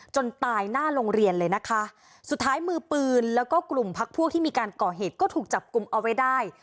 จนตายหน้าโรงเรียนเลยนะคะสุดท้ายมือปืนแล้วก็กลุ่มพักพวกที่มีการก่อเหตุก็ถูกจับกลุ่มเอาไว้ได้